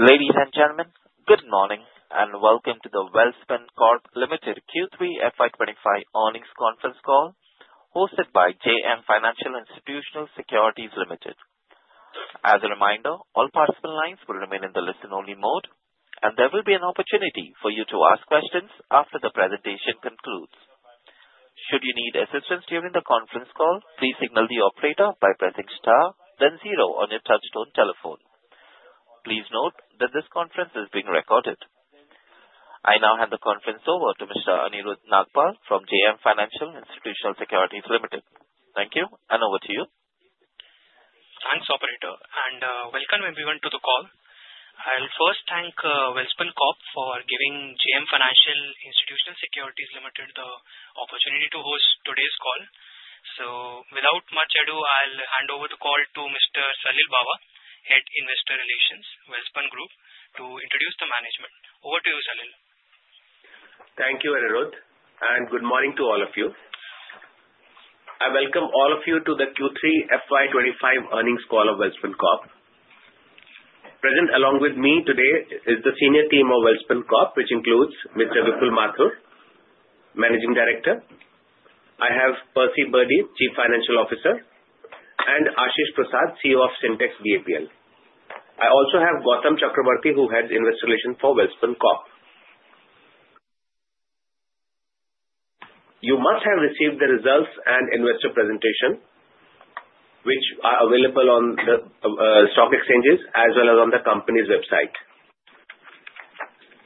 Ladies and gentlemen, good morning and welcome to the Welspun Corp Limited Q3 FY25 earnings conference call hosted by JM Financial Institutional Securities Limited. As a reminder, all participant lines will remain in the listen-only mode, and there will be an opportunity for you to ask questions after the presentation concludes. Should you need assistance during the conference call, please signal the operator by pressing star, then zero on your touch-tone telephone. Please note that this conference is being recorded. I now hand the conference over to Mr. Anirudh Nagpal from JM Financial Institutional Securities Limited. Thank you, and over to you. Thanks, Operator, and welcome everyone to the call. I'll first thank Welspun Corp for giving JM Financial Institutional Securities Limited the opportunity to host today's call. So, without much ado, I'll hand over the call to Mr. Salil Bawa, Head Investor Relations, Welspun Group, to introduce the management. Over to you, Salil. Thank you, Anirudh, and good morning to all of you. I welcome all of you to the Q3 FY25 earnings call of Welspun Corp. Present along with me today is the Senior Team of Welspun Corp, which includes Mr. Vipul Mathur, Managing Director. I have Percy Birdy, Chief Financial Officer, and Ashish Prasad, CEO of Sintex-BAPL. I also have Goutam Chakraborty, who heads strategy for Welspun Corp. You must have received the results and investor presentation, which are available on the stock exchanges as well as on the company's website.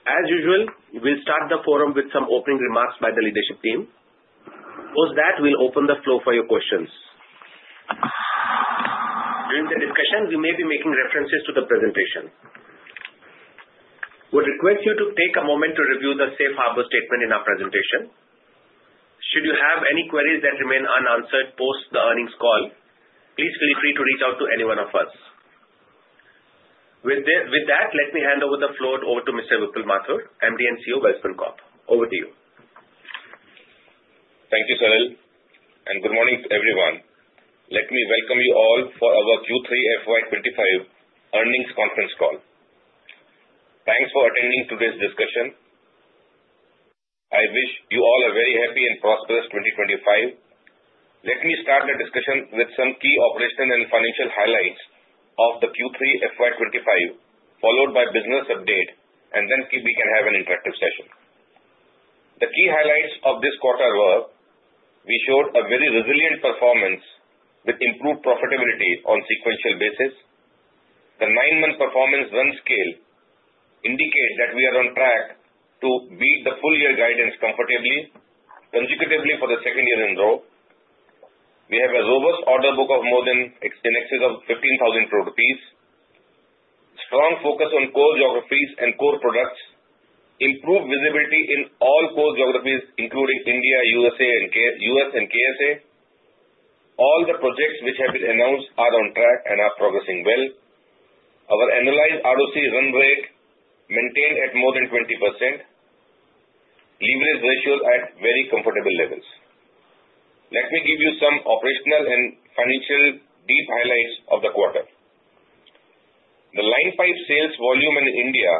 As usual, we'll start the forum with some opening remarks by the leadership team. Post that, we'll open the floor for your questions. During the discussion, we may be making references to the presentation. We request you to take a moment to review the Safe Harbor statement in our presentation. Should you have any queries that remain unanswered post the earnings call, please feel free to reach out to any one of us. With that, let me hand over the floor to Mr. Vipul Mathur, MD and CEO of Welspun Corp. Over to you. Thank you, Salil, and good morning to everyone. Let me welcome you all for our Q3 FY25 earnings conference call. Thanks for attending today's discussion. I wish you all a very happy and prosperous 2025. Let me start the discussion with some key operational and financial highlights of the Q3 FY25, followed by business update, and then we can have an interactive session. The key highlights of this quarter were we showed a very resilient performance with improved profitability on a sequential basis. The nine-month performance run scale indicates that we are on track to beat the full-year guidance comfortably, consecutively for the second year in a row. We have a robust order book of more than an excess of 15,000 rupees, strong focus on core geographies and core products, improved visibility in all core geographies, including India, U.S., and KSA. All the projects which have been announced are on track and are progressing well. Our annualized ROCE run rate maintained at more than 20%, leverage ratios at very comfortable levels. Let me give you some operational and financial deep highlights of the quarter. The line pipe sales volume in India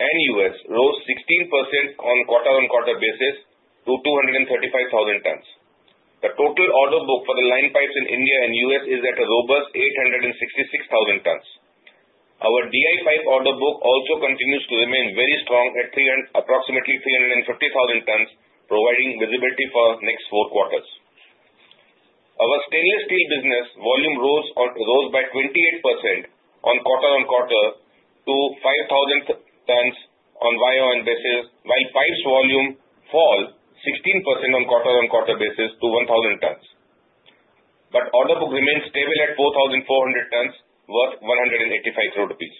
and U.S. rose 16% on quarter-on-quarter basis to 235,000 tons. The total order book for the line pipes in India and U.S. is at a robust 866,000 tons. Our DI pipe order book also continues to remain very strong at approximately 350,000 tons, providing visibility for the next four quarters. Our stainless steel business volume rose by 28% on quarter-on-quarter to 5,000 tons on volume basis, while pipes volume fell 16% on quarter-on-quarter basis to 1,000 tons. But order book remained stable at 4,400 tons, worth 185 crore rupees.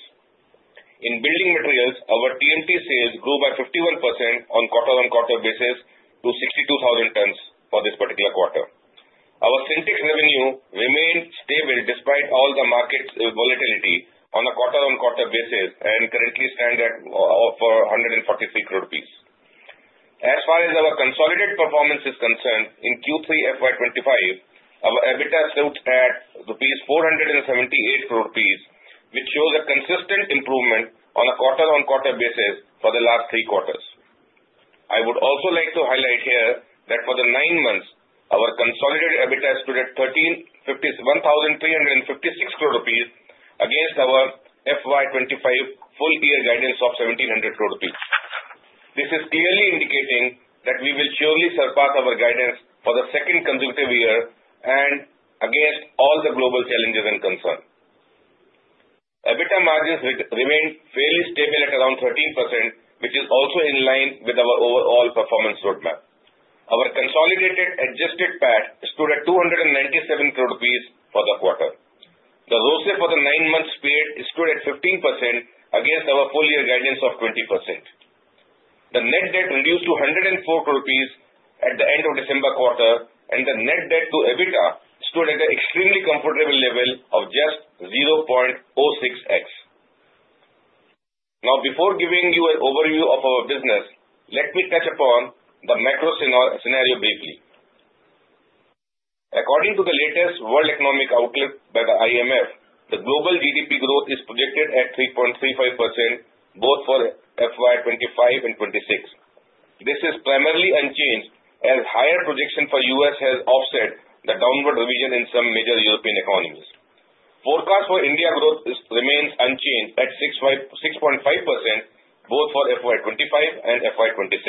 In building materials, our TMT sales grew by 51% on quarter-on-quarter basis to 62,000 tons for this particular quarter. Our Sintex revenue remained stable despite all the market volatility on a quarter-on-quarter basis and currently stands at 143 crore rupees. As far as our consolidated performance is concerned, in Q3 FY25, our EBITDA stood at 478 crore rupees, which shows a consistent improvement on a quarter-on-quarter basis for the last three quarters. I would also like to highlight here that for the nine months, our consolidated EBITDA stood at 1,356 crore rupees against our FY25 full-year guidance of 1,700 crore rupees. This is clearly indicating that we will surely surpass our guidance for the second consecutive year and against all the global challenges and concerns. EBITDA margins remained fairly stable at around 13%, which is also in line with our overall performance roadmap. Our consolidated adjusted PAT stood at 297 crore rupees for the quarter. The ROCE for the nine months period stood at 15% against our full-year guidance of 20%. The net debt reduced to 104 crore rupees at the end of December quarter, and the net debt to EBITDA stood at an extremely comfortable level of just 0.06x. Now, before giving you an overview of our business, let me touch upon the macro scenario briefly. According to the latest World Economic Outlook by the IMF, the global GDP growth is projected at 3.35% both for FY25 and FY26. This is primarily unchanged as higher projections for the U.S. have offset the downward revision in some major European economies. Forecast for India growth remains unchanged at 6.5% both for FY25 and FY26.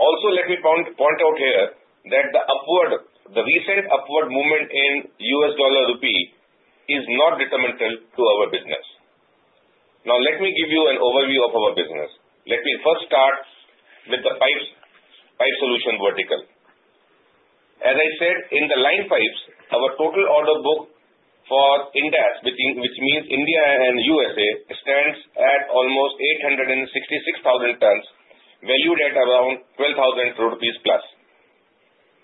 Also, let me point out here that the recent upward movement in U.S. dollar/rupee is not detrimental to our business. Now, let me give you an overview of our business. Let me first start with the pipe solution vertical. As I said, in the line pipes, our total order book for Ind-U.S., which means India and U.S.A, stands at almost 866,000 tons, valued at around 12,000 crore rupees plus.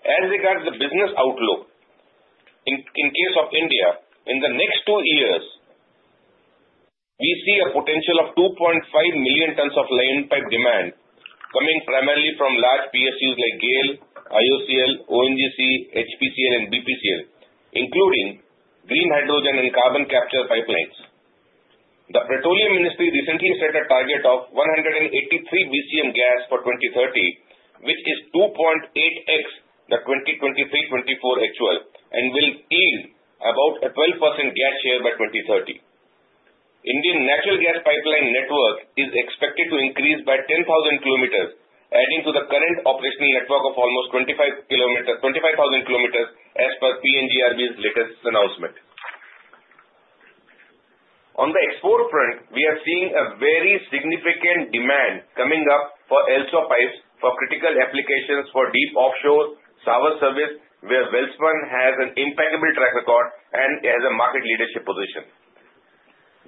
As regards the business outlook, in case of India, in the next two years, we see a potential of 2.5 million tons of line pipe demand coming primarily from large PSUs like GAIL, IOCL, ONGC, HPCL, and BPCL, including green hydrogen and carbon capture pipelines. The Petroleum Ministry recently set a target of 183 BCM gas for 2030, which is 2.8x the 2023-24 actual, and will yield about a 12% gas share by 2030. Indian natural gas pipeline network is expected to increase by 10,000 km, adding to the current operational network of almost 25,000 km as per PNGRB's latest announcement. On the export front, we are seeing a very significant demand coming up for LSAW pipes for critical applications for deep offshore sectors, where Welspun has an impeccable track record and has a market leadership position.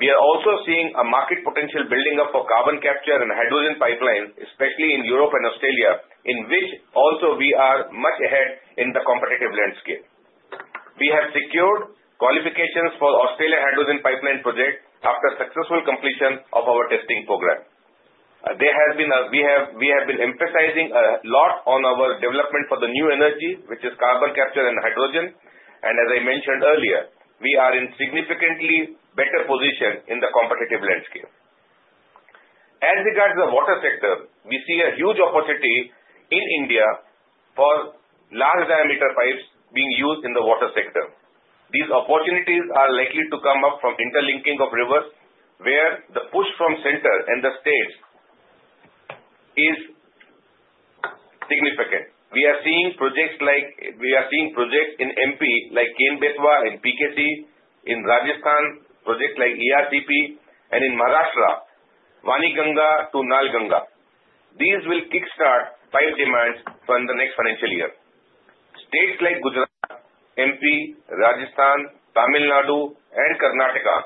We are also seeing a market potential building up for carbon capture and hydrogen pipelines, especially in Europe and Australia, in which also we are much ahead in the competitive landscape. We have secured qualifications for the Australia hydrogen pipeline project after successful completion of our testing program. We have been emphasizing a lot on our development for the new energy, which is carbon capture and hydrogen, and as I mentioned earlier, we are in a significantly better position in the competitive landscape. As regards the water sector, we see a huge opportunity in India for large diameter pipes being used in the water sector. These opportunities are likely to come up from interlinking of rivers, where the push from the center and the states is significant. We are seeing projects like in MP, like Ken-Betwa, in PKC, in Rajasthan, projects like ERCP, and in Maharashtra, Wainganga-Nalganga. These will kickstart pipe demands for the next financial year. States like Gujarat, MP, Rajasthan, Tamil Nadu, and Karnataka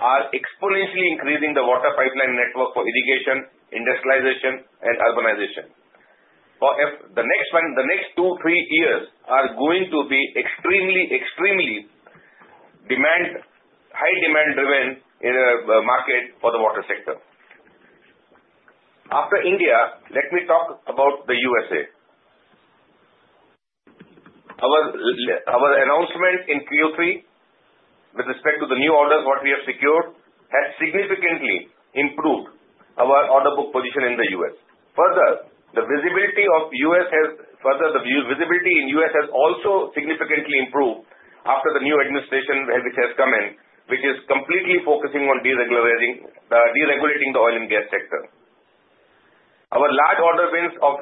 are exponentially increasing the water pipeline network for irrigation, industrialization, and urbanization. For the next two, three years, there are going to be extremely high demand-driven markets for the water sector. After India, let me talk about the U.S.A. Our announcement in Q3, with respect to the new orders what we have secured, has significantly improved our order book position in the U.S. Further, the visibility in the U.S. has also significantly improved after the new administration which has come in, which is completely focusing on deregulating the oil and gas sector. Our large order wins of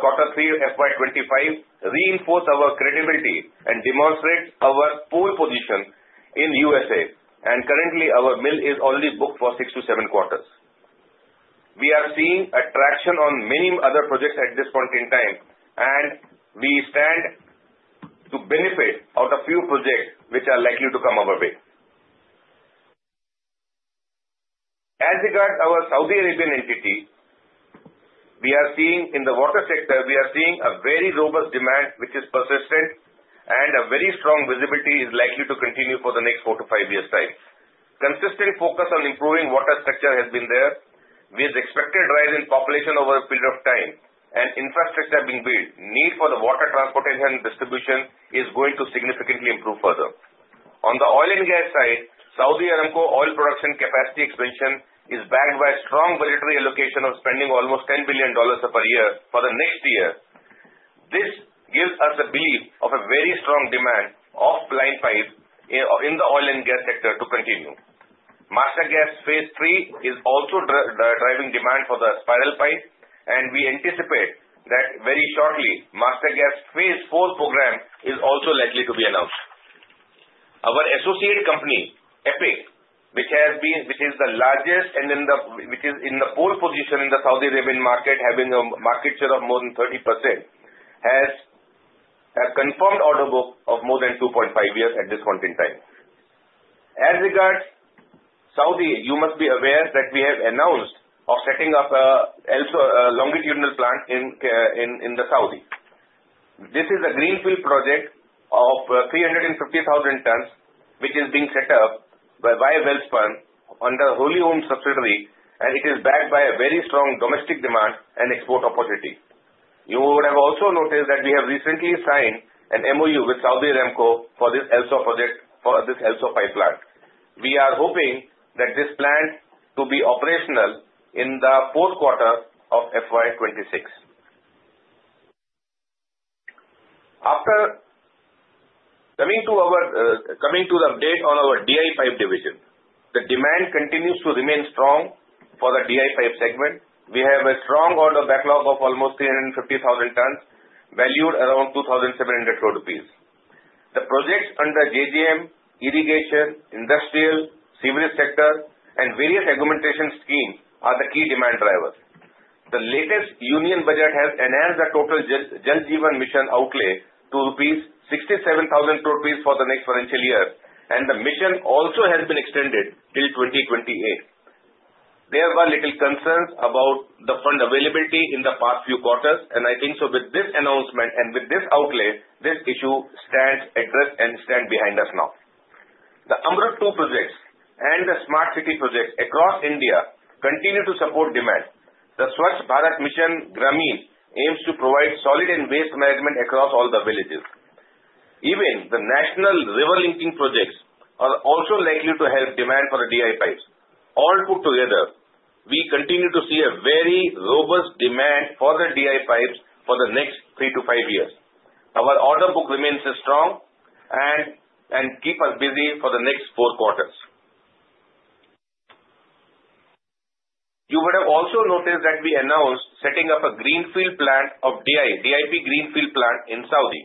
quarter three FY25 reinforce our credibility and demonstrate our pole position in the U.S.A., and currently, our mill is only booked for six to seven quarters. We are seeing traction on many other projects at this point in time, and we stand to benefit out of a few projects which are likely to come our way. As regards our Saudi Arabian entity, we are seeing in the water sector a very robust demand which is persistent, and a very strong visibility is likely to continue for the next four to five years' time. Consistent focus on improving water structure has been there, with expected rise in population over a period of time and infrastructure being built. The need for the water transportation distribution is going to significantly improve further. On the oil and gas side, Saudi Aramco oil production capacity expansion is backed by a strong budgetary allocation of spending almost $10 billion per year for the next year. This gives us a belief of a very strong demand of line pipes in the oil and gas sector to continue. Master Gas Phase III is also driving demand for the spiral pipes, and we anticipate that very shortly, Master Gas Phase IV program is also likely to be announced. Our associate company, EPIC, which is the largest and which is in the pole position in the Saudi Arabian market, having a market share of more than 30%, has a confirmed order book of more than 2.5 years at this point in time. As regards Saudi, you must be aware that we have announced the setting up of a longitudinal plant in the Saudi. This is a greenfield project of 350,000 tons which is being set up by Welspun under wholly-owned subsidiary, and it is backed by a very strong domestic demand and export opportunity. You would have also noticed that we have recently signed an MOU with Saudi Aramco for this LSAW project, for this LSAW pipeline. We are hoping that this plant will be operational in the fourth quarter of FY26. After coming to the update on our DI pipe division, the demand continues to remain strong for the DI pipe segment. We have a strong order backlog of almost 350,000 tons, valued around 2,700 crore rupees. The projects under JJM, irrigation, industrial, sewage sector, and various augmentation schemes are the key demand drivers. The latest Union Budget has enhanced the total Jal Jeevan Mission outlay to 67,000 crore rupees for the next financial year, and the mission also has been extended till 2028. There were little concerns about the fund availability in the past few quarters, and I think so with this announcement and with this outlay, this issue stands addressed and stands behind us now. The AMRUT 2.0 projects and the Smart City projects across India continue to support demand. The Swachh Bharat Mission Grameen aims to provide solid waste management across all the villages. Even the national river linking projects are also likely to help demand for the DI pipes. All put together, we continue to see a very robust demand for the DI pipes for the next three to five years. Our order book remains strong and keeps us busy for the next four quarters. You would have also noticed that we announced the setting up of a greenfield plant, DI plant in Saudi.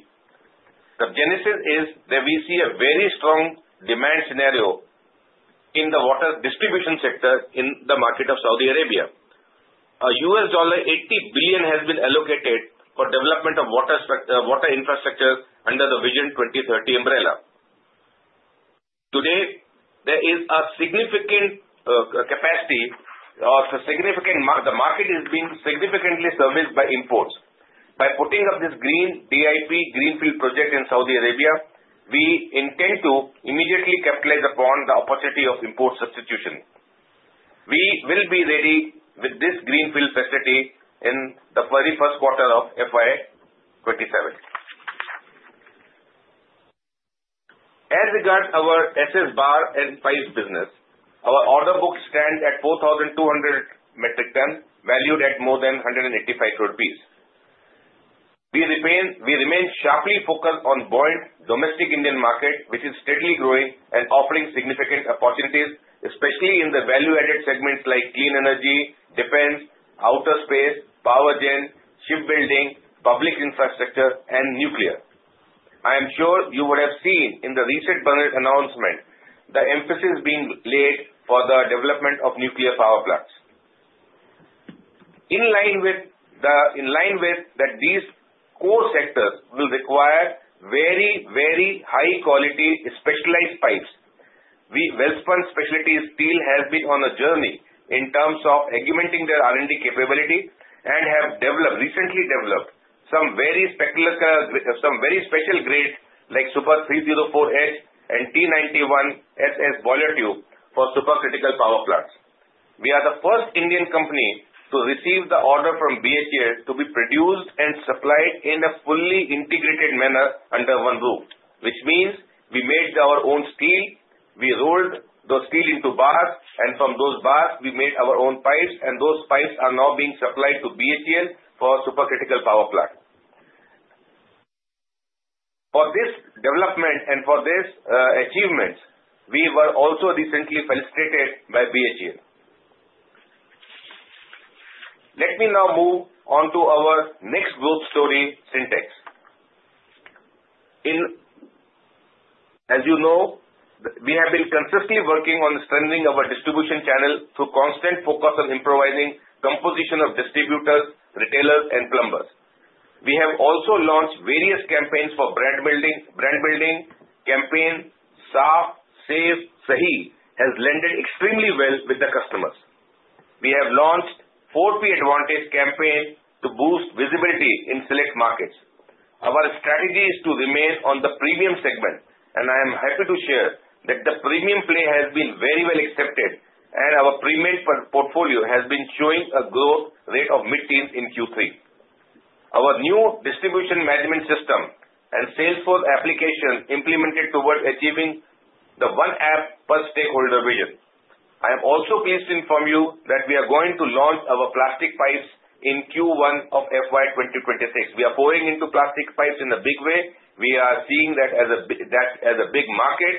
The genesis is that we see a very strong demand scenario in the water distribution sector in the market of Saudi Arabia. $80 billion has been allocated for the development of water infrastructure under the Vision 2030 umbrella. Today, there is insignificant capacity. The market is being significantly serviced by imports. By putting up this green DI pipe greenfield project in Saudi Arabia, we intend to immediately capitalize upon the opportunity of import substitution. We will be ready with this greenfield facility in the very first quarter of FY27. As regards our SS bar and pipe business, our order book stands at 4,200 metric tons, valued at more than 185 crore rupees. We remain sharply focused on the domestic Indian market, which is steadily growing and offering significant opportunities, especially in the value-added segments like clean energy, defense, outer space, power gen, shipbuilding, public infrastructure, and nuclear. I am sure you would have seen in the recent announcement the emphasis being laid for the development of nuclear power plants. In line with that, these core sectors will require very, very high-quality specialized pipes. Welspun Specialty Steel has been on a journey in terms of augmenting their R&D capability and have recently developed some very special grade like Super 304H and T91 SS boiler tube for supercritical power plants. We are the first Indian company to receive the order from BHEL to be produced and supplied in a fully integrated manner under one roof, which means we made our own steel, we rolled the steel into bars, and from those bars, we made our own pipes, and those pipes are now being supplied to BHEL for supercritical power plants. For this development and for this achievement, we were also recently felicitated by BHEL. Let me now move on to our next growth story Sintex. As you know, we have been consistently working on strengthening our distribution channel through constant focus on improvising the composition of distributors, retailers, and plumbers. We have also launched various campaigns for brand building campaigns. Saaf, Safe, Sahi have landed extremely well with the customers. We have launched 4P Advantage campaigns to boost visibility in select markets. Our strategy is to remain on the premium segment, and I am happy to share that the premium play has been very well accepted, and our premium portfolio has been showing a growth rate of mid-teens in Q3. Our new distribution management system and Salesforce application implemented towards achieving the one app per stakeholder vision. I am also pleased to inform you that we are going to launch our plastic pipes in Q1 of FY25. We are pouring into plastic pipes in a big way. We are seeing that as a big market,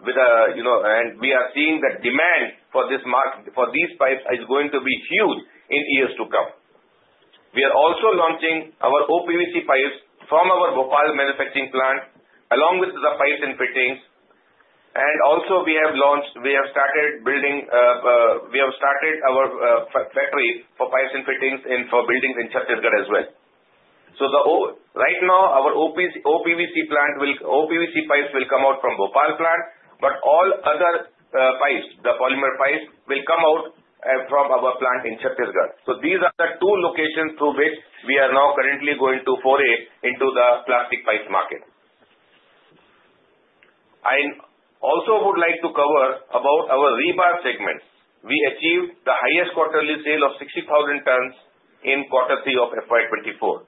and we are seeing that demand for these pipes is going to be huge in years to come. We are also launching our O-PVC pipes from our Bhopal manufacturing plant, along with the pipes and fittings, and also we have started building our factory for pipes and fittings for buildings in Chhattisgarh as well, so right now, our O-PVC pipes will come out from Bhopal plant, but all other pipes, the polymer pipes, will come out from our plant in Chhattisgarh, so these are the two locations through which we are now currently going to foray into the plastic pipes market. I also would like to cover about our rebar segments. We achieved the highest quarterly sale of 60,000 tons in quarter three of FY24.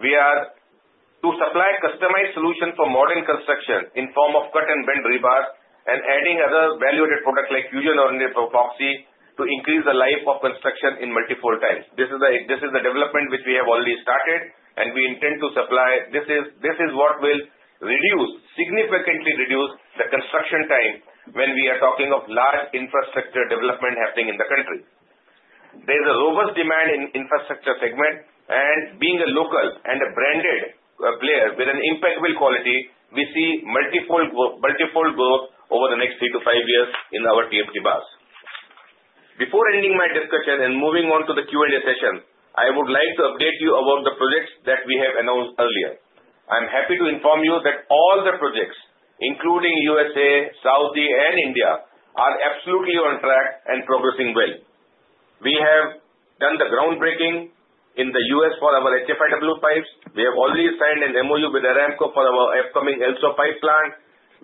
We are to supply customized solutions for modern construction in the form of cut-and-bend rebars and adding other valued products like Fusion Bonded Epoxy to increase the life of construction in multiple times. This is the development which we have already started, and we intend to supply. This is what will significantly reduce the construction time when we are talking of large infrastructure development happening in the country. There is a robust demand in the infrastructure segment, and being a local and a branded player with an impeccable quality, we see multiple growth over the next three to five years in our TMT bars. Before ending my discussion and moving on to the Q&A session, I would like to update you about the projects that we have announced earlier. I am happy to inform you that all the projects, including U.S.A., Saudi, and India, are absolutely on track and progressing well. We have done the groundbreaking in the U.S. for our HFIW pipes. We have already signed an MOU with Aramco for our upcoming LSAW pipe plant.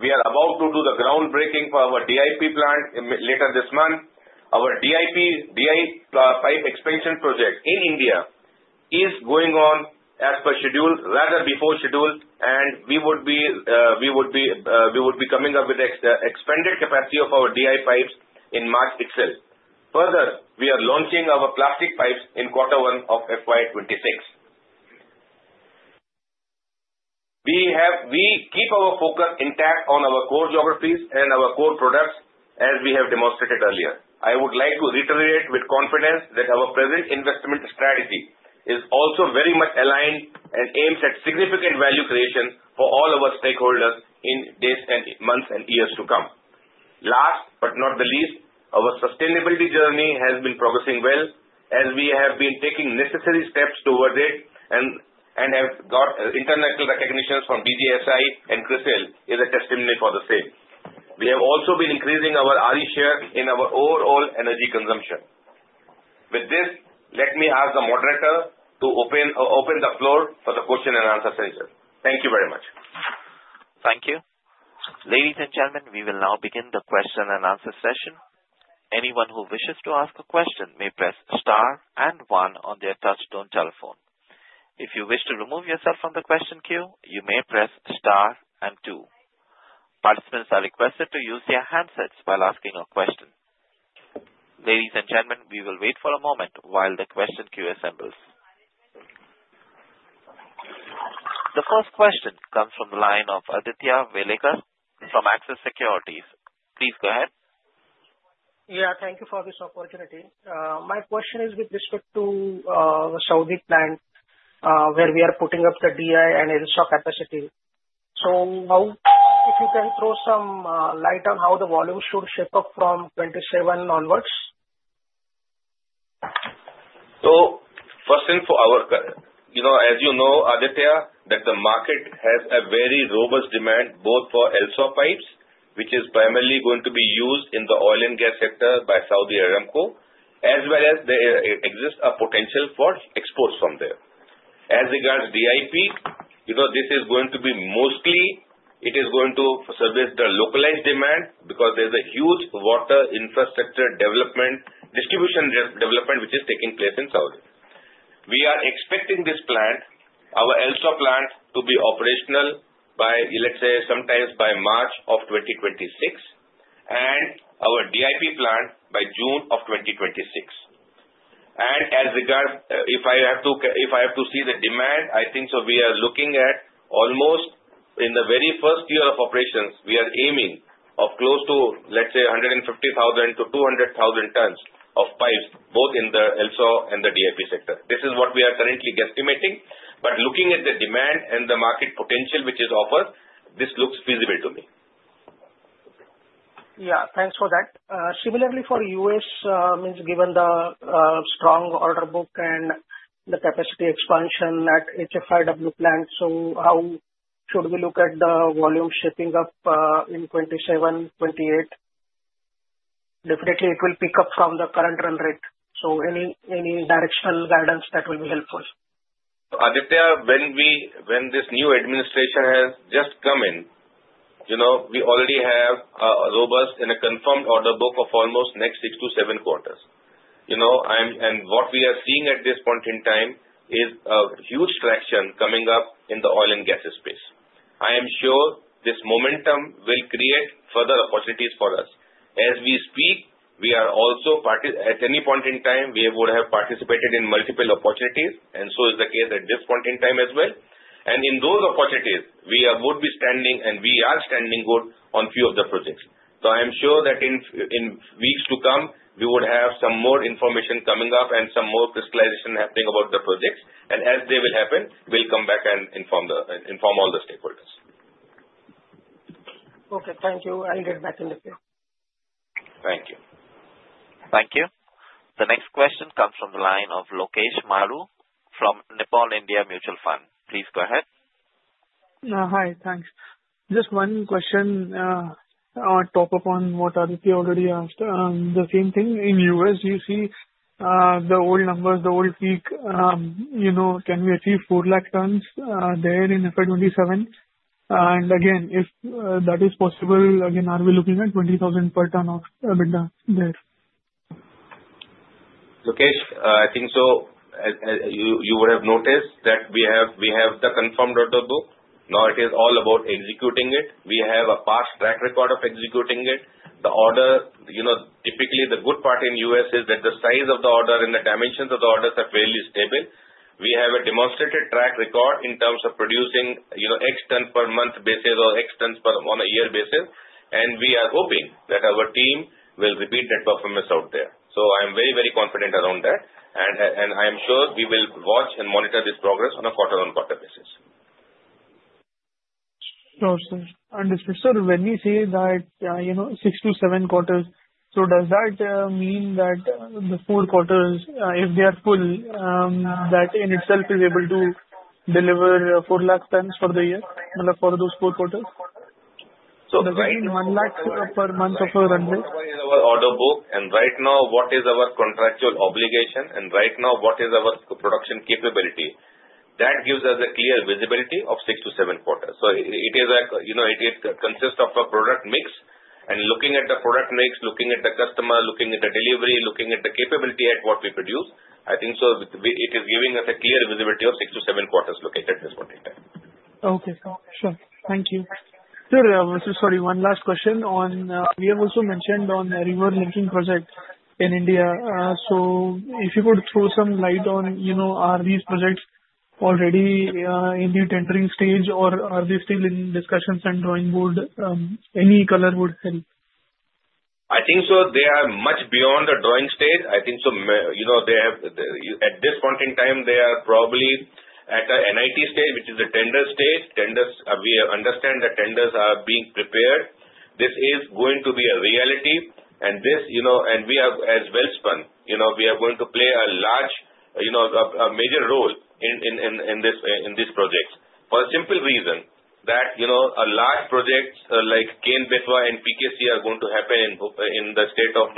We are about to do the groundbreaking for our DI plant later this month. Our DI pipe expansion project in India is going on as per schedule, rather before schedule, and we would be coming up with the expanded capacity of our DI pipes in March itself. Further, we are launching our plastic pipes in quarter one of FY25. We keep our focus intact on our core geographies and our core products, as we have demonstrated earlier. I would like to reiterate with confidence that our present investment strategy is also very much aligned and aims at significant value creation for all our stakeholders in days and months and years to come. Last but not the least, our sustainability journey has been progressing well, as we have been taking necessary steps towards it and have got international recognition from DJSI, and CRISIL is a testimony for the same. We have also been increasing our RE share in our overall energy consumption. With this, let me ask the moderator to open the floor for the question and answer session. Thank you very much. Thank you. Ladies and gentlemen, we will now begin the question and answer session. Anyone who wishes to ask a question may press star and one on their touch-tone telephone. If you wish to remove yourself from the question queue, you may press star and two. Participants are requested to use their handsets while asking a question. Ladies and gentlemen, we will wait for a moment while the question queue assembles. The first question comes from the line of Aditya Welekar from Axis Securities. Please go ahead. Yeah, thank you for this opportunity. My question is with respect to the Saudi plant where we are putting up the DI and LSAW capacity. So if you can throw some light on how the volume should shape up from 27 onwards. So first thing for ours, as you know, Aditya, that the market has a very robust demand both for LSAW pipes, which is primarily going to be used in the oil and gas sector by Saudi Aramco, as well as there exists a potential for exports from there. As regards DI, this is going to be mostly it is going to service the localized demand because there is a huge water infrastructure development, distribution development, which is taking place in Saudi. We are expecting this plant, our LSAW plant, to be operational by, let's say, sometime by March of 2026, and our DIP plant by June of 2026. As regards if I have to see the demand, I think so we are looking at almost in the very first year of operations, we are aiming of close to, let's say, 150,000-200,000 tons of pipes both in the LSAW and the DI pipe sector. This is what we are currently estimating. But looking at the demand and the market potential which is offered, this looks feasible to me. Yeah, thanks for that. Similarly, for U.S., given the strong order book and the capacity expansion at HFIW plant, so how should we look at the volume shaping up in 27, 28? Definitely, it will pick up from the current run rate. So any directional guidance that will be helpful? Aditya, when this new administration has just come in, we already have a robust and a confirmed order book of almost next six to seven quarters. And what we are seeing at this point in time is a huge traction coming up in the oil and gas space. I am sure this momentum will create further opportunities for us. As we speak, we are also at any point in time, we would have participated in multiple opportunities, and so is the case at this point in time as well. And in those opportunities, we would be standing, and we are standing good on a few of the projects. So I am sure that in weeks to come, we would have some more information coming up and some more crystallization happening about the projects. And as they will happen, we'll come back and inform all the stakeholders. Okay, thank you. I'll get back in a bit. Thank you. Thank you. The next question comes from the line of Lokesh Maru from Nippon India Mutual Fund. Please go ahead. Hi, thanks. Just one question follow-up on what Aditya already asked. The same thing. In the U.S., you see the old numbers, the old peak. Can we achieve 4 lakh tons there in FY27? And again, if that is possible, again, are we looking at $20,000 per ton of EBITDA there? Lokesh, I think you would have noticed that we have the confirmed order book. Now, it is all about executing it. We have a past track record of executing it. The order typically, the good part in the U.S. is that the size of the order and the dimensions of the orders are fairly stable. We have a demonstrated track record in terms of producing X tons per month basis or X tons on a year basis. And we are hoping that our team will repeat that performance out there. I am very, very confident around that. And I am sure we will watch and monitor this progress on a quarter-on-quarter basis. Understood. Understood. When you say that six to seven quarters, so does that mean that the four quarters, if they are full, that in itself is able to deliver four lakh tons for the year, for those four quarters? The one lakh per month of a run rate? Order book, and right now, what is our contractual obligation, and right now, what is our production capability? That gives us a clear visibility of six to seven quarters. So it consists of a product mix, and looking at the product mix, looking at the customer, looking at the delivery, looking at the capability at what we produce, I think so it is giving us a clear visibility of six-to-seven quarters looking at this point in time. Okay. Sure. Thank you. Sir, this is sorry, one last question on we have also mentioned on the river linking project in India. So if you could throw some light on, are these projects already in the tendering stage, or are they still in discussions and drawing board? Any color would help. I think so they are much beyond the drawing stage. I think so they have at this point in time, they are probably at an NIT stage, which is the tender stage. We understand that tenders are being prepared. This is going to be a reality, and we are Welspun. We are going to play a major role in this project for a simple reason that a large project like Ken-Betwa and PKC are going to happen in the state of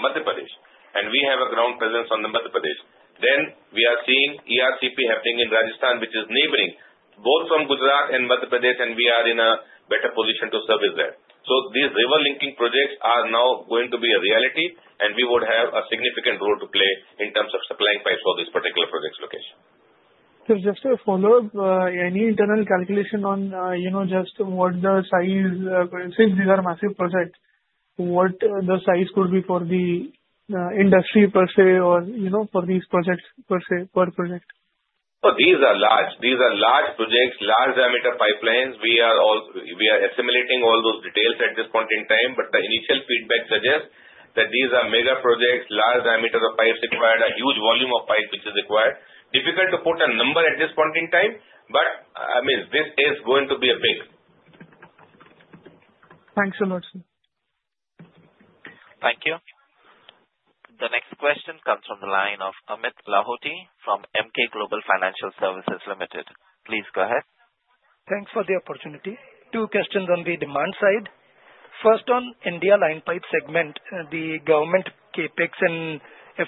Madhya Pradesh, and we have a ground presence in the Madhya Pradesh. Then we are seeing ERCP happening in Rajasthan, which is neighboring both from Gujarat and Madhya Pradesh, and we are in a better position to service that. So these river linking projects are now going to be a reality, and we would have a significant role to play in terms of supplying pipes for this particular project's location. Sir, just to follow up, any internal calculation on just what the size since these are massive projects, what the size could be for the industry per se or for these projects per se per project? These are large projects, large diameter pipelines. We are assimilating all those details at this point in time, but the initial feedback suggests that these are mega projects, large diameter of pipes required, a huge volume of pipes which is required. Difficult to put a number at this point in time, but I mean, this is going to be a big. Thanks so much. Thank you. The next question comes from the line of Amit Lahoti from Emkay Global Financial Services Limited. Please go ahead. Thanks for the opportunity. Two questions on the demand side. First, on India line pipe segment, the government CapEx in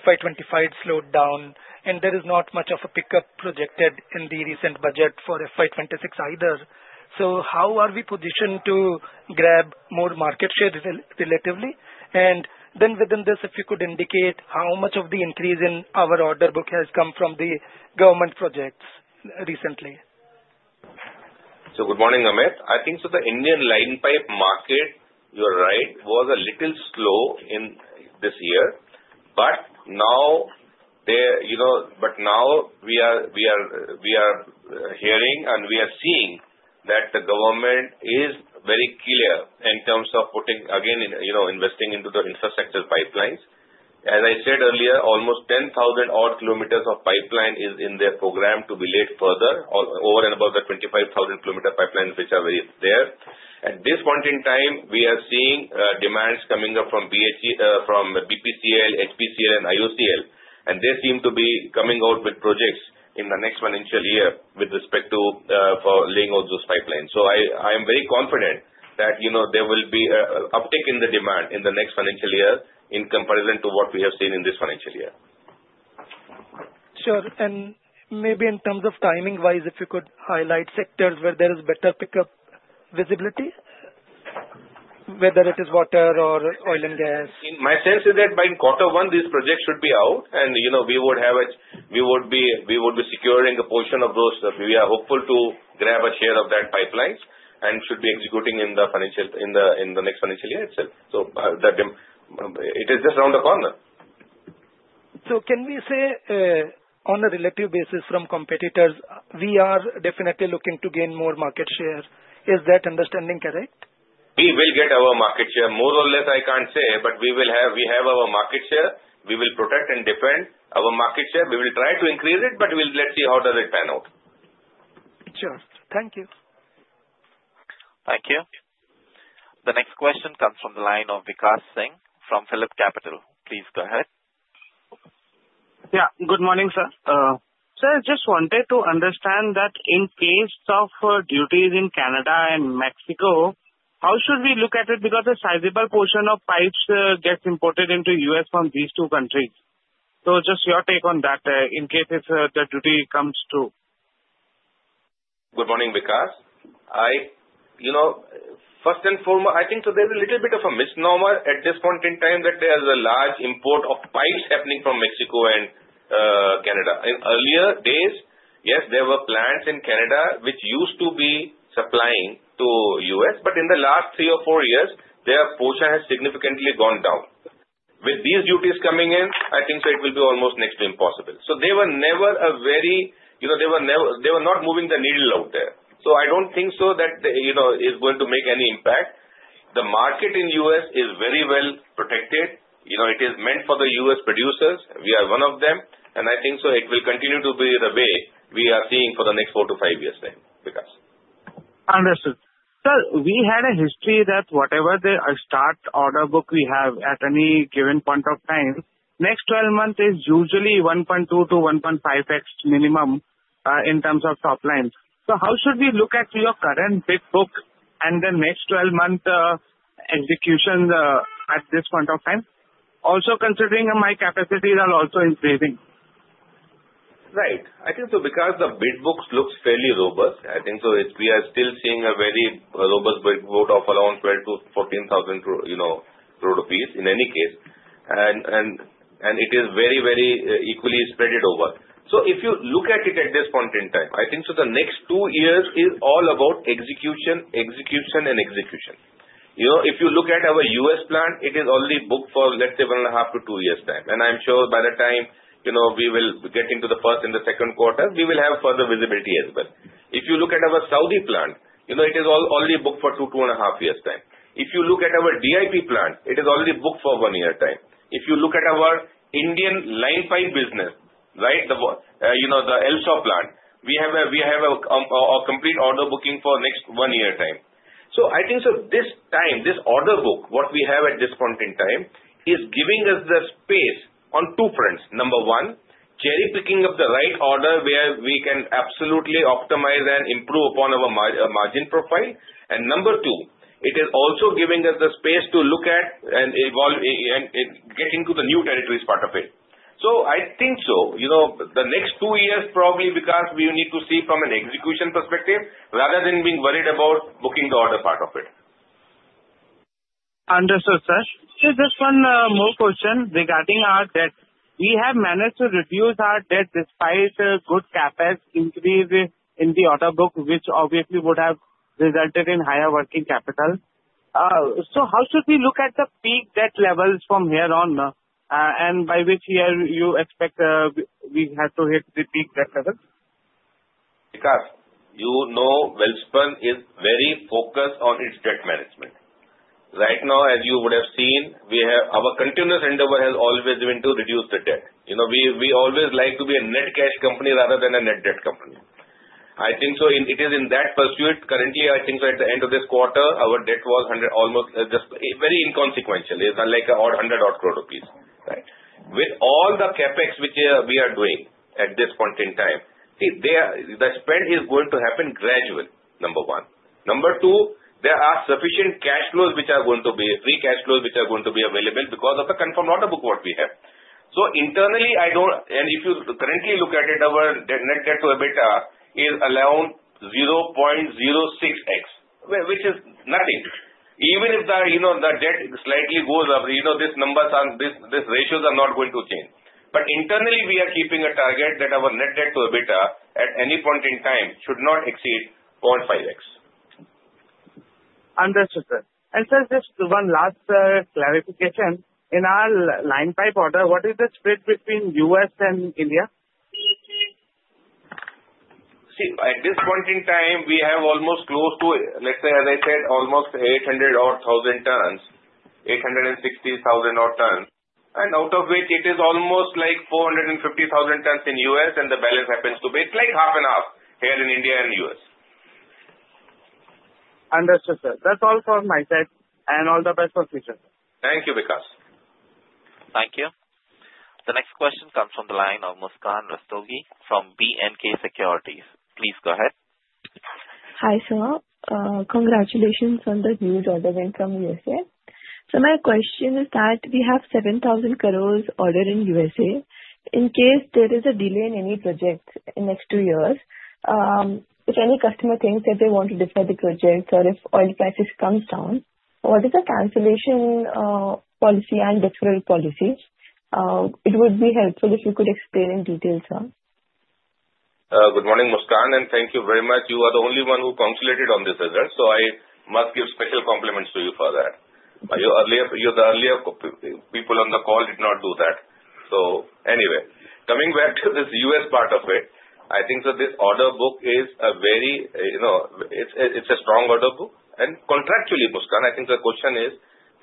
FY25 slowed down, and there is not much of a pickup projected in the recent budget for FY26 either. So how are we positioned to grab more market share relatively? And then within this, if you could indicate how much of the increase in our order book has come from the government projects recently. So good morning, Amit. I think so the Indian line pipe market, you're right, was a little slow in this year. But now we are hearing and we are seeing that the government is very clear in terms of putting, again, investing into the infrastructure pipelines. As I said earlier, almost 10,000 odd km of pipeline is in their program to be laid further, over and above the 25,000 km pipelines which are laid there. At this point in time, we are seeing demands coming up from BPCL, HPCL, and IOCL, and they seem to be coming out with projects in the next financial year with respect to laying out those pipelines. I am very confident that there will be an uptick in the demand in the next financial year in comparison to what we have seen in this financial year. Sure. And maybe in terms of timing-wise, if you could highlight sectors where there is better pickup visibility, whether it is water or oil and gas. My sense is that by quarter one, these projects should be out, and we would be securing a portion of those. We are hopeful to grab a share of that pipeline and should be executing in the next financial year itself. So it is just around the corner. So can we say on a relative basis from competitors, we are definitely looking to gain more market share? Is that understanding correct? We will get our market share. More or less, I can't say, but we have our market share. We will protect and defend our market share. We will try to increase it, but let's see how does it pan out. Sure. Thank you. Thank you. The next question comes from the line of Vikash Singh from PhillipCapital. Please go ahead. Yeah. Good morning, sir. Sir, I just wanted to understand that in case of duties in Canada and Mexico, how should we look at it because a sizable portion of pipes gets imported into U.S. from these two countries? So just your take on that in case the duty comes through. Good morning, Vikas. First and foremost, I think so there is a little bit of a misnomer at this point in time that there is a large import of pipes happening from Mexico and Canada. In earlier days, yes, there were plants in Canada which used to be supplying to U.S., but in the last three or four years, their portion has significantly gone down. With these duties coming in, I think so it will be almost next to impossible. So they were never they were not moving the needle out there. So I don't think so that it's going to make any impact. The market in U.S. is very well protected. It is meant for the U.S. producers. We are one of them. And I think so it will continue to be the way we are seeing for the next four to five years there, Vikas. Understood. Sir, we had a history that whatever the start order book we have at any given point of time, next 12 months is usually 1.2-1.5X minimum in terms of top line. So how should we look at your current bid book and the next 12-month execution at this point of time? Also considering my capacity are also increasing. Right. I think so because the bid books look fairly robust. I think so we are still seeing a very robust bid book of around 12,000 crore-14,000 crore in any case. And it is very, very equally spread it over. So if you look at it at this point in time, I think so the next two years is all about execution, execution, and execution. If you look at our U.S. plant, it is only booked for, let's say, one and a half to two years' time. And I'm sure by the time we will get into the first and the second quarter, we will have further visibility as well. If you look at our Saudi plant, it is only booked for two, two and a half years' time. If you look at our DI plant, it is only booked for one year's time. If you look at our Indian line pipe business, right, the LSAW plant, we have a complete order booking for next one year's time. So I think so this time, this order book, what we have at this point in time is giving us the space on two fronts. Number one, cherry-picking of the right order where we can absolutely optimize and improve upon our margin profile. And number two, it is also giving us the space to look at and get into the new territories part of it. So I think so the next two years probably, Vikash, we need to see from an execution perspective rather than being worried about booking the order part of it. Understood, sir. Just one more question regarding our debt. We have managed to reduce our debt despite good CapEx increase in the order book, which obviously would have resulted in higher working capital. So how should we look at the peak debt levels from here on and by which year you expect we have to hit the peak debt level? Vikash, you know Welspun is very focused on its debt management. Right now, as you would have seen, our continuous endeavor has always been to reduce the debt. We always like to be a net cash company rather than a net debt company. I think so it is in that pursuit. Currently, I think so at the end of this quarter, our debt was almost just very inconsequential, like 100-odd crore rupees, right? With all the CapEx which we are doing at this point in time, the spend is going to happen gradually, number one. Number two, there are sufficient cash flows which are going to be free cash flows which are going to be available because of the confirmed order book what we have. So internally, and if you currently look at it, our net debt to EBITDA is around 0.06X, which is nothing. Even if the debt slightly goes up, these numbers, these ratios are not going to change. But internally, we are keeping a target that our net debt to EBITDA at any point in time should not exceed 0.5X. Understood, sir. And sir, just one last clarification. In our line pipe order, what is the split between U.S. and India? See, at this point in time, we have almost close to, let's say, as I said, almost 800 odd thousand tons, 860,000 odd tons. And out of which, it is almost like 450,000 tons in U.S., and the balance happens to be like half and half here in India and U.S. Understood, sir. That's all from my side. And all the best for the future. Thank you, Vikash. Thank you. The next question comes from the line of Muskan Rastogi from B&K Securities. Please go ahead. Hi sir. Congratulations on the huge order win from U.S.A. So my question is that we have 7,000 crores ordered in U.S.A. In case there is a delay in any project in the next two years, if any customer thinks that they want to defer the project or if oil prices come down, what is the cancellation policy and deferral policy? It would be helpful if you could explain in detail, sir. Good morning, Muskan, and thank you very much. You are the only one who consolidated on this result, so I must give special compliments to you for that. The earlier people on the call did not do that. So anyway, coming back to this U.S. part of it, I think this order book is a very strong order book. And contractually, Muskan, I think the question is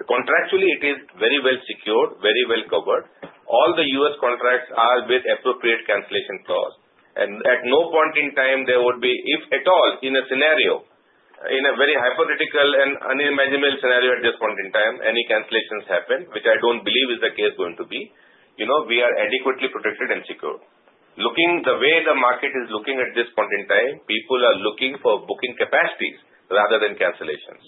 contractually, it is very well secured, very well covered. All the U.S. contracts are with appropriate cancellation clause. At no point in time would there be, if at all, in a scenario, in a very hypothetical and unimaginable scenario at this point in time, any cancellations happen, which I don't believe is the case going to be. We are adequately protected and secured. Looking at the way the market is looking at this point in time, people are looking for booking capacities rather than cancellations.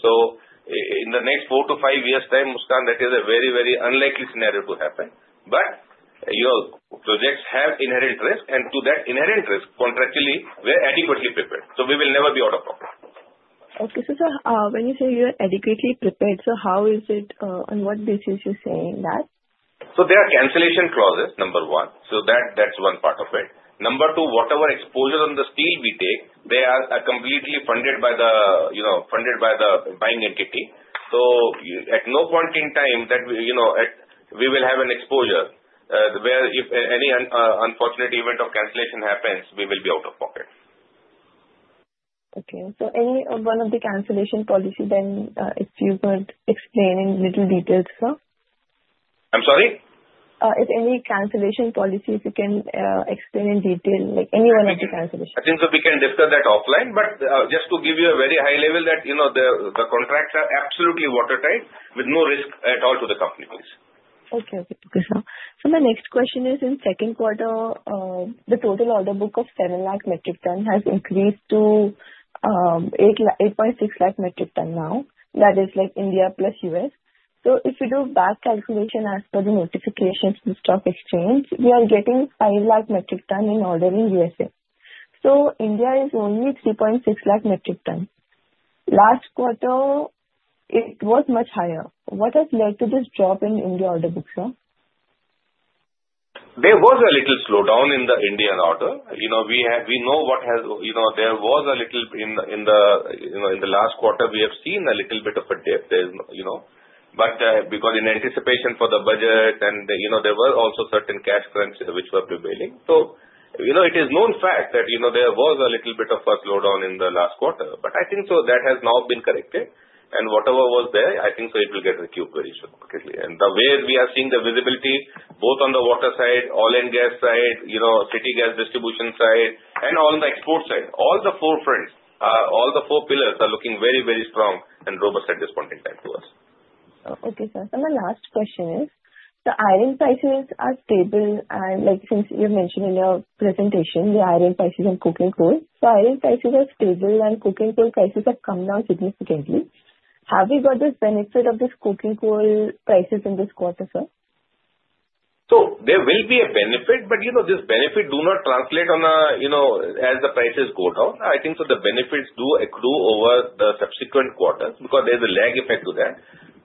In the next four to five years' time, Muskan, that is a very, very unlikely scenario to happen. But projects have inherent risk, and to that inherent risk, contractually, we are adequately prepared. We will never be out of pocket. Okay. Sir, when you say you are adequately prepared, how is it on what basis you're saying that? There are cancellation clauses, number one. That's one part of it. Number two, whatever exposure on the steel we take, they are completely funded by the buying entity. So at no point in time that we will have an exposure where if any unfortunate event of cancellation happens, we will be out of pocket. Okay. So any one of the cancellation policies then, if you could explain in little details, sir? I'm sorry? If any cancellation policy, if you can explain in detail, like any one of the cancellations. I think so we can discuss that offline, but just to give you a very high level that the contracts are absolutely watertight with no risk at all to the company, please. Okay. Okay. So my next question is, in second quarter, the total order book of 7 lakh metric tons has increased to 8.6 lakh metric tons now. That is like India plus U.S. If you do a back calculation as per the notifications in the stock exchange, we are getting 5 lakh metric tons in orders in U.S.A. India is only 3.6 lakh metric tons. Last quarter, it was much higher. What has led to this drop in India order book, sir? There was a little slowdown in the Indian order. We know what has happened. There was a little in the last quarter, we have seen a little bit of a dip there. But because in anticipation of the budget, and there were also certain cash constraints which were prevailing. It is a known fact that there was a little bit of a slowdown in the last quarter. I think that has now been corrected. Whatever was there, I think it will get recouped very soon. The way we are seeing the visibility, both on the water side, oil and gas side, city gas distribution side, and on the export side, all the four fronts, all the four pillars are looking very, very strong and robust at this point in time to us. Okay, sir. My last question is, the iron prices are stable, and since you mentioned in your presentation, the iron prices and coking coal. Iron prices are stable, and coking coal prices have come down significantly. Have we got `this benefit of this coking coal prices in this quarter, sir? There will be a benefit, but this benefit do not translate on as the prices go down. I think so the benefits do accrue over the subsequent quarters because there's a lag effect to that.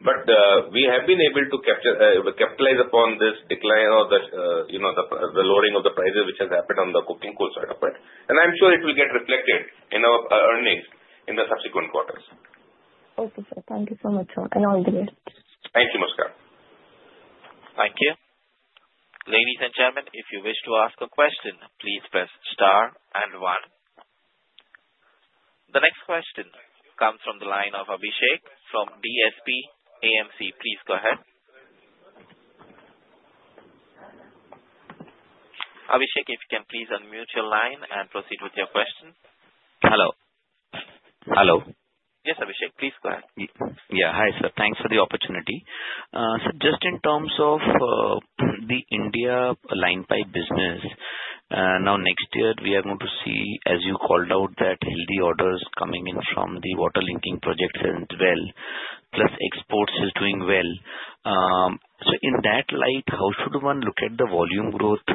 But we have been able to capitalize upon this decline or the lowering of the prices which has happened on the coking coal side of it. And I'm sure it will get reflected in our earnings in the subsequent quarters. Okay, sir. Thank you so much, sir. And all the best. Thank you, Muskan. Thank you. Ladies and gentlemen, if you wish to ask a question, please press star and one. The next question comes from the line of Abhishek from DSP AMC. Please go ahead. Abhishek, if you can please unmute your line and proceed with your question. Hello. Hello. Yes, Abhishek, please go ahead. Yeah. Hi, sir. Thanks for the opportunity. Sir, just in terms of the India line pipe business, now next year we are going to see, as you called out, that huge orders coming in from the water linking projects as well, plus exports is doing well. So in that light, how should one look at the volume growth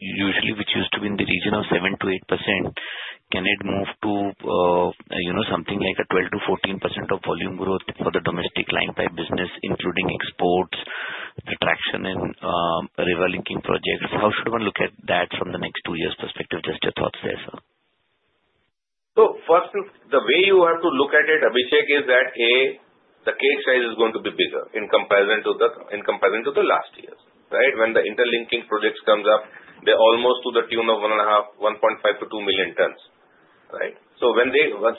usually, which used to be in the region of 7-8%? Can it move to something like 12-14% of volume growth for the domestic line pipe business, including exports, the traction in river linking projects? How should one look at that from the next two years' perspective? Just your thoughts there, sir. So first, the way you have to look at it, Abhishek, is that the cake size is going to be bigger in comparison to the last years, right? When the interlinking projects comes up, they're almost to the tune of 1.5-2 million tons, right? So when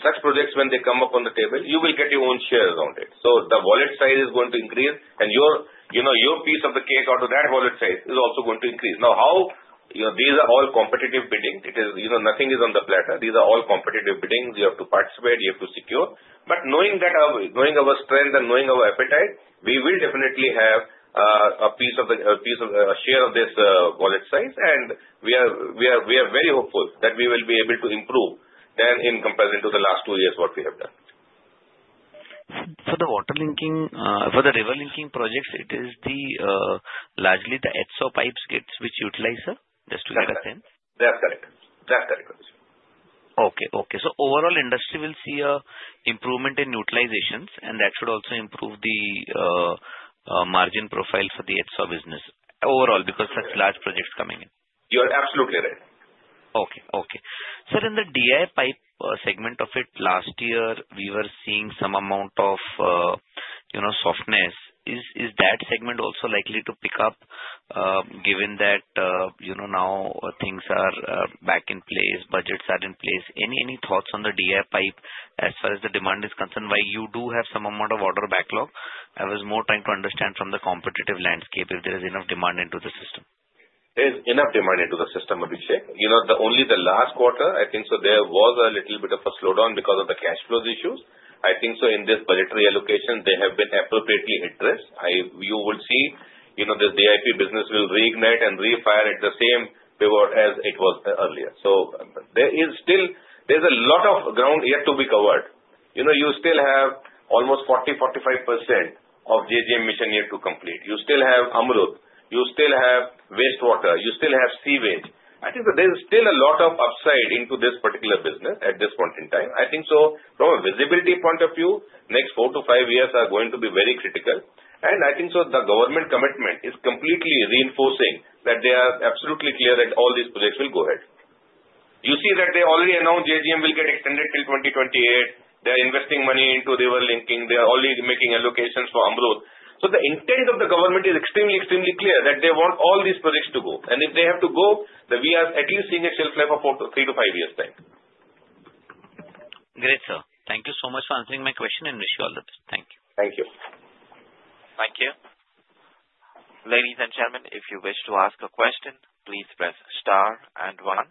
such projects, when they come up on the table, you will get your own share around it. So the wallet size is going to increase, and your piece of the cake out of that wallet size is also going to increase. Now, these are all competitive bidding. Nothing is on the platter. These are all competitive biddings. You have to participate. You have to secure. But knowing our strength and knowing our appetite, we will definitely have a piece of a share of this wallet size. And we are very hopeful that we will be able to improve than in comparison to the last two years what we have done. For the water linking, for the river linking projects, it is largely the HSAW pipes which utilize, sir? Just to get a sense. That's correct. That's correct, Abhishek. Okay. Okay. So overall, industry will see an improvement in utilizations, and that should also improve the margin profile for the HSAW business overall because such large projects are coming in. You are absolutely right. Okay. Okay. Sir, in the DI pipe segment of it, last year, we were seeing some amount of softness. Is that segment also likely to pick up given that now things are back in place, budgets are in place? Any thoughts on the DI pipe as far as the demand is concerned? While you do have some amount of order backlog, I was more trying to understand from the competitive landscape if there is enough demand into the system. There is enough demand into the system, Abhishek. Only the last quarter, I think so there was a little bit of a slowdown because of the cash flow issues. I think so in this budgetary allocation, they have been appropriately addressed. You will see this DIP business will reignite and refire at the same pivot as it was earlier. So there is still a lot of ground yet to be covered. You still have almost 40%-45% of JJM mission yet to complete. You still have AMRUT. You still have wastewater. You still have sewerage. I think there is still a lot of upside into this particular business at this point in time. I think so from a visibility point of view, next four to five years are going to be very critical, and I think so the government commitment is completely reinforcing that they are absolutely clear that all these projects will go ahead. You see that they already announced JJM will get extended till 2028. They are investing money into river linking. They are already making allocations for AMRUT. So the intent of the government is extremely, extremely clear that they want all these projects to go. And if they have to go, we are at least seeing a shelf life of three to five years time. Great, sir. Thank you so much for answering my question, and wish you all the best. Thank you. Thank you. Thank you. Ladies and gentlemen, if you wish to ask a question, please press star and one.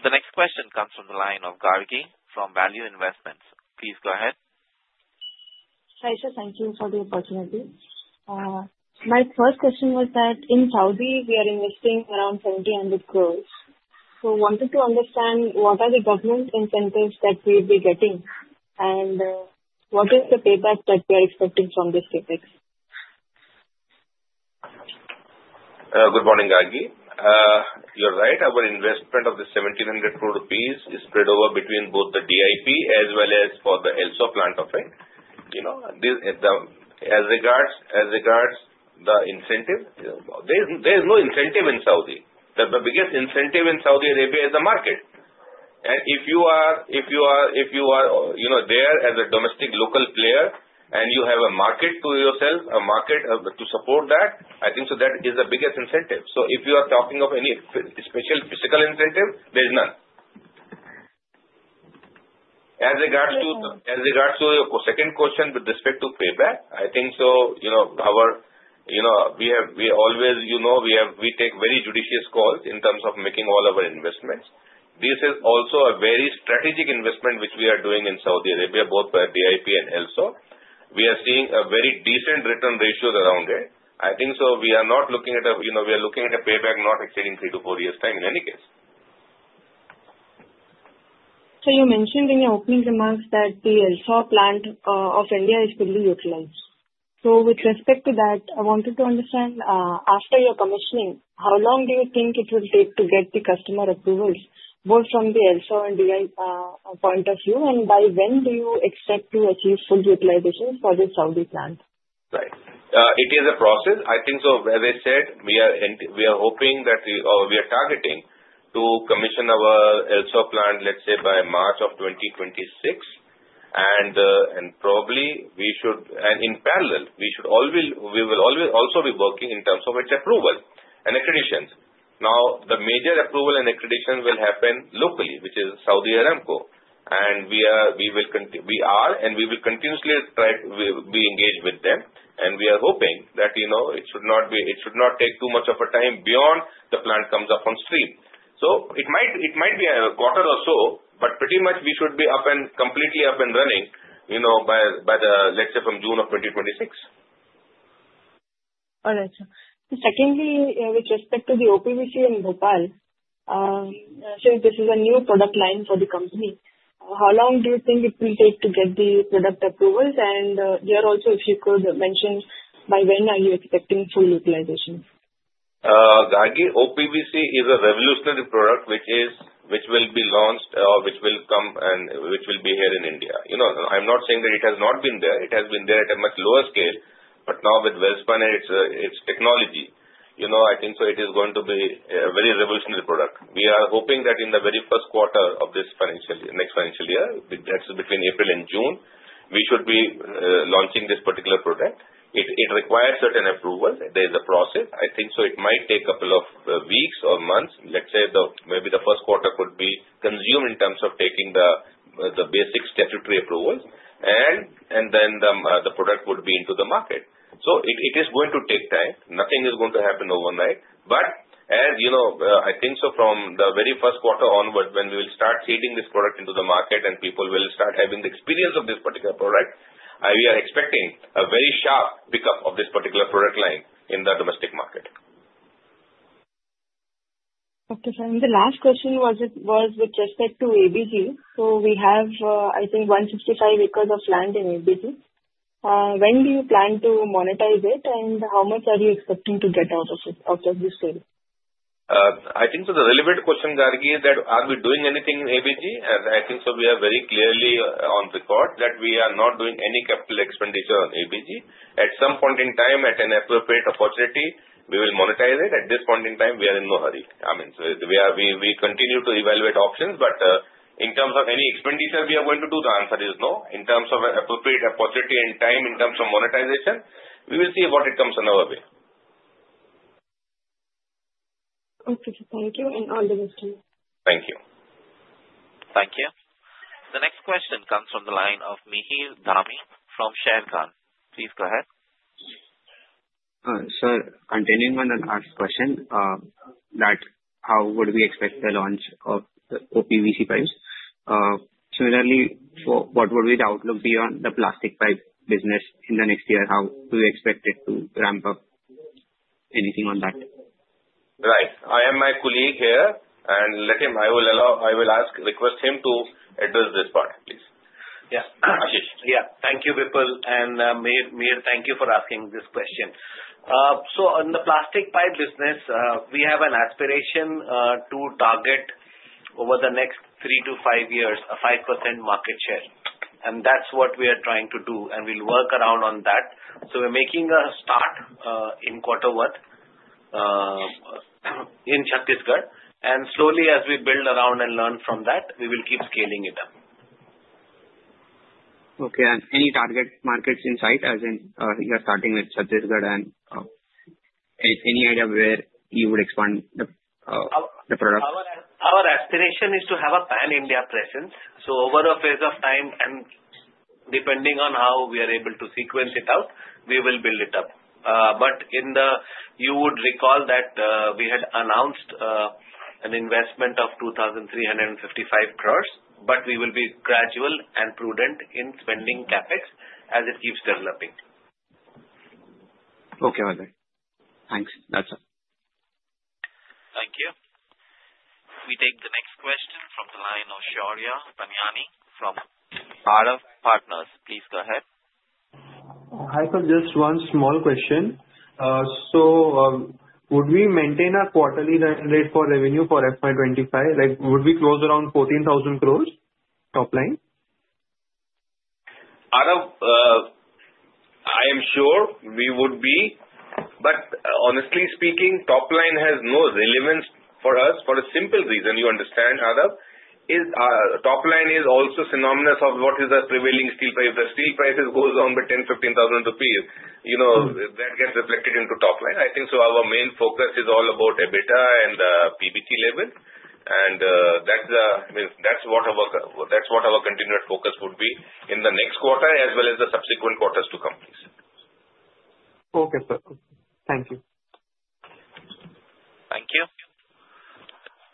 The next question comes from the line of Gargi from Value Investment. Please go ahead. Hi, sir. Thank you for the opportunity. My first question was that in Saudi, we are investing around 7,000 crore. So I wanted to understand what are the government incentives that we will be getting, and what is the payback that we are expecting from these paybacks? Good morning, Gargi. You're right. Our investment of 1,700 crore rupees is spread over between both the DIP as well as for the LSAW plant of it. As regards the incentive, there is no incentive in Saudi. The biggest incentive in Saudi Arabia is the market. And if you are there as a domestic local player and you have a market to yourself, a market to support that, I think so that is the biggest incentive. So if you are talking of any special physical incentive, there is none. As regards to your second question with respect to payback, I think so we always take very judicious calls in terms of making all our investments. This is also a very strategic investment which we are doing in Saudi Arabia, both DIP and LSAW. We are seeing a very decent return ratio around it. I think we are looking at a payback not exceeding three to four years' time in any case. So you mentioned in your opening remarks that the LSAW plant of India is fully utilized. So with respect to that, I wanted to understand after your commissioning, how long do you think it will take to get the customer approvals, both from the LSAW and DIP point of view, and by when do you expect to achieve full utilization for this Saudi plant? Right. It is a process. I think so as I said, we are hoping that we are targeting to commission our LSAW plant, let's say, by March of 2026. Probably we should, and in parallel, we will also be working in terms of its approval and accreditation. Now, the major approval and accreditation will happen locally, which is Saudi Aramco. And we will continuously try to be engaged with them. And we are hoping that it should not take too much of a time beyond the plant comes up on stream. So it might be a quarter or so, but pretty much we should be completely up and running by the, let's say, from June of 2026. All right, sir. Secondly, with respect to the O-PVC and Bhopal, since this is a new product line for the company, how long do you think it will take to get the product approvals? And here also, if you could mention by when are you expecting full utilization? Gargi, O-PVC is a revolutionary product which will be launched or which will come and which will be here in India. I'm not saying that it has not been there. It has been there at a much lower scale, but now with Welspun and its technology, I think so it is going to be a very revolutionary product. We are hoping that in the very first quarter of this next financial year, that's between April and June, we should be launching this particular product. It requires certain approvals. There is a process. I think so it might take a couple of weeks or months. Let's say maybe the first quarter could be consumed in terms of taking the basic statutory approvals, and then the product would be into the market. So it is going to take time. Nothing is going to happen overnight. But as I think so from the very first quarter onward, when we will start feeding this product into the market and people will start having the experience of this particular product, we are expecting a very sharp pickup of this particular product line in the domestic market. Okay, sir. And the last question was with respect to ABG. So we have, I think, 165 acres of land in ABG. When do you plan to monetize it, and how much are you expecting to get out of this field? I think so the relevant question, Gargi, is that are we doing anything in ABG? I think so we are very clearly on record that we are not doing any capital expenditure on ABG. At some point in time, at an appropriate opportunity, we will monetize it. At this point in time, we are in no hurry. I mean, we continue to evaluate options, but in terms of any expenditure we are going to do, the answer is no. In terms of appropriate opportunity and time in terms of monetization, we will see what comes on our way. Okay, sir. Thank you. And all the best to you. Thank you. Thank you. The next question comes from the line of Mihir Dhami from Sharekhan. Please go ahead. Sir, continuing on the last question, that how would we expect the launch of the O-PVC pipes? Similarly, what would be the outlook beyond the plastic pipe business in the next year? How do you expect it to ramp up? Anything on that? Right. I have my colleague here, and I will ask and request him to address this part, please. Yeah. Ashish. Yeah. Thank you, Vipul. And Mihir, thank you for asking this question. So on the plastic pipe business, we have an aspiration to target over the next three to five years a 5% market share. And that's what we are trying to do, and we'll work around on that. So we're making a start in Korba in Chhattisgarh. And slowly, as we build around and learn from that, we will keep scaling it up. Okay. And any target markets in sight, as in you're starting with Chhattisgarh, and any idea where you would expand the product? Our aspiration is to have a pan-India presence. So over a phase of time, and depending on how we are able to sequence it out, we will build it up. But you would recall that we had announced an investment of 2,355 crores, but we will be gradual and prudent in spending CapEx as it keeps developing. Okay, Ashish. Thanks. That's all. Thank you. We take the next question from the line of Suraj Panjwani from Value Partners. Please go ahead. Hi sir, just one small question. So would we maintain a quarterly rate for revenue for FY25? Would we close around 14,000 crores top line? Suraj, I am sure we would be. But honestly speaking, top line has no relevance for us for a simple reason. You understand, Suraj? Top line is also synonymous of what is the prevailing steel price. The steel prices go down by 10,000-15,000 rupees. That gets reflected into top line. I think so our main focus is all about EBITDA and the PBT level. And that's what our continued focus would be in the next quarter as well as the subsequent quarters to companies. Okay, sir. Thank you. Thank you.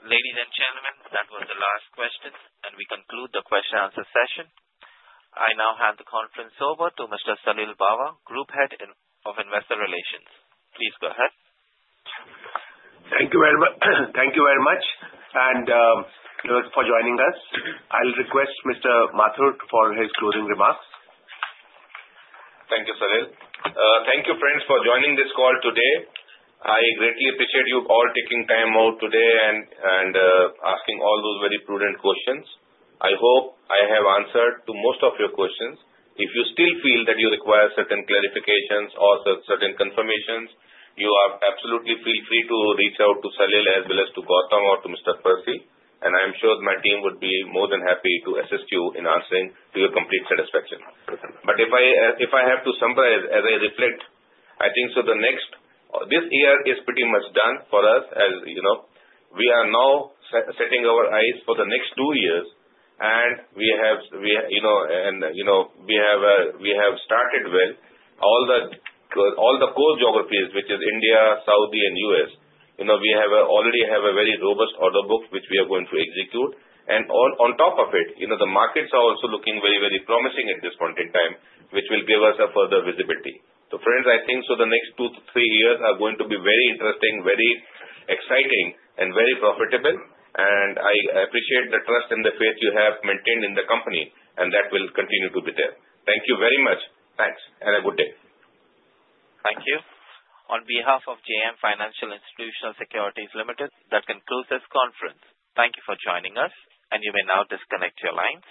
Ladies and gentlemen, that was the last question, and we conclude the question-answer session. I now hand the conference over to Mr. Salil Bawa, Group Head of Investor Relations. Please go ahead. Thank you very much. Thank you very much for joining us. I'll request Mr. Mathur for his closing remarks. Thank you, Salil. Thank you, friends, for joining this call today. I greatly appreciate you all taking time out today and asking all those very prudent questions. I hope I have answered to most of your questions. If you still feel that you require certain clarifications or certain confirmations, you absolutely feel free to reach out to Salil as well as to Goutam or to Mr. Percy. And I'm sure my team would be more than happy to assist you in answering to your complete satisfaction, but if I have to summarize as I reflect, I think so this year is pretty much done for us. We are now setting our eyes for the next two years, and we have started well. All the core geographies, which is India, Saudi, and U.S., we already have a very robust order book which we are going to execute. And on top of it, the markets are also looking very, very promising at this point in time, which will give us further visibility. So friends, I think so the next two to three years are going to be very interesting, very exciting, and very profitable. And I appreciate the trust and the faith you have maintained in the company, and that will continue to be there. Thank you very much. Thanks, and a good day. Thank you. On behalf of JM Financial Institutional Securities Limited, that concludes this conference. Thank you for joining us, and you may now disconnect your lines.